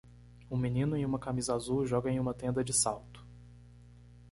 Um menino em uma camisa azul joga em uma tenda de salto.